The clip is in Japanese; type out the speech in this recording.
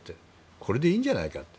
これでいいんじゃないかって。